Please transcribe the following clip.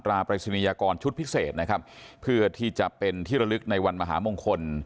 ปริศนียากรชุดพิเศษนะครับเพื่อที่จะเป็นที่ระลึกในวันมหามงคล